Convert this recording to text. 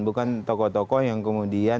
bukan tokoh tokoh yang kemudian